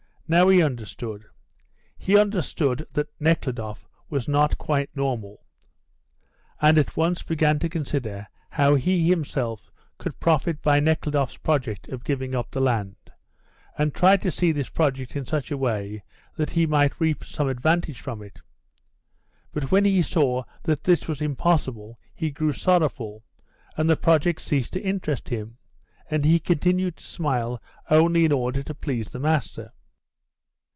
Now he understood. He understood that Nekhludoff was not quite normal, and at once began to consider how he himself could profit by Nekhludoff's project of giving up the land, and tried to see this project in such a way that he might reap some advantage from it. But when he saw that this was impossible he grew sorrowful, and the project ceased to interest him, and he continued to smile only in order to please the master.